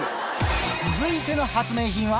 続いての発明品は。